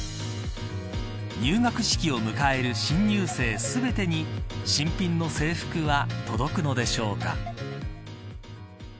入学式を迎える新入生、全てに新品の制服は届くのでしょうか。